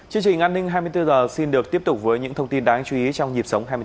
chương trình an ninh hai mươi bốn h xin được tiếp tục với những thông tin đáng chú ý trong nhịp sống hai mươi bốn h